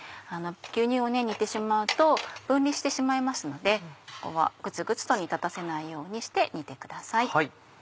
牛乳を煮てしまうと分離してしまいますのでここはグツグツと煮立たせないようにして煮てください。